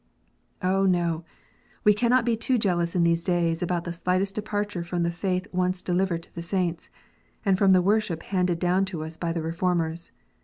Oh, no ! we cannot be too jealous in these days about the slightest departure from the " faith once delivered to the saints," and from the worship handed down to us by the Reformers.